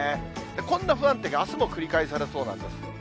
こんな不安定があすも繰り返されそうなんです。